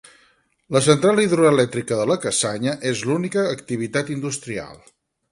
La central hidroelèctrica de la Cassanya és l'única activitat industrial.